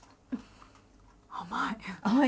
甘い。